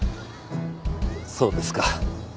そうですか。